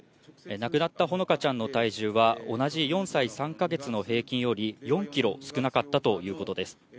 亡くなったほのかちゃんの体重は、同じ４歳３か月の平均より、４キロ少なかったということです。